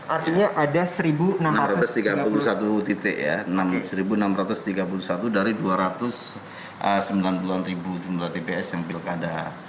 artinya ada enam ratus tiga puluh satu titik ya satu enam ratus tiga puluh satu dari dua ratus sembilan puluh an ribu jumlah tps yang pilkada